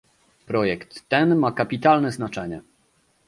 Projekt ten ma kapitalne znaczenie